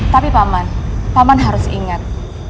tapi pak man pak man harus ingat